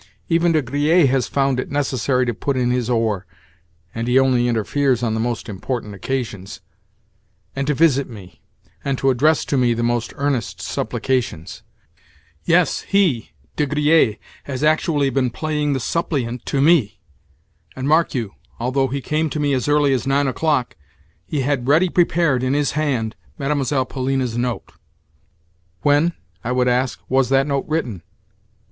Even De Griers has found it necessary to put in his oar (and he only interferes on the most important occasions), and to visit me, and to address to me the most earnest supplications. Yes, he, De Griers, has actually been playing the suppliant to me! And, mark you, although he came to me as early as nine o'clock, he had ready prepared in his hand Mlle. Polina's note. When, I would ask, was that note written?